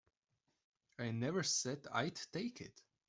I never said I'd take it.